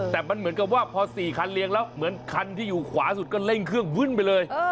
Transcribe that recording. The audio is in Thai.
แต่มันเหมือนกับว่าพอ๔คันเรียงแล้วเหมือนคันที่อยู่ขวาสุดก็เร่งเครื่องวึ่นไปเลย